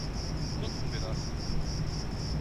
Nutzen wir das!